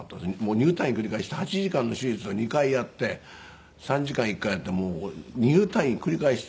入退院繰り返して８時間の手術を２回やって３時間１回やって入退院繰り返して。